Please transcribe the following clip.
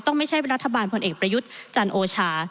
ต้องไม่ใช่เป็นรัฐบาลคนเอกประยุทธ์จันทร์โอชา